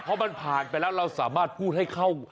เพราะมันผ่านไปแล้วเราสามารถพูดให้เข้า